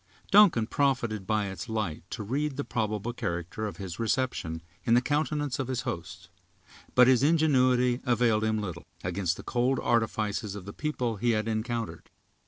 Duncan profited by its light to read the probable character of his reception, in the countenances of his hosts. But his ingenuity availed him little, against the cold artifices of the people he had encountered.